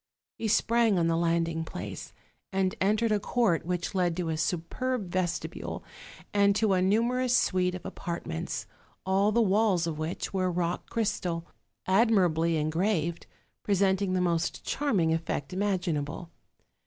He sprang on the landing place, and entered a court which led to a superb vestibule and to a numerous suite of apartments, all the Walls of which were of rock crystal, admirably engraved, presenting the most charming effect imaginable.